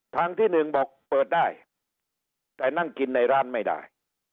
ทางที่หนึ่งบอกเปิดได้แต่นั่งกินในร้านไม่ได้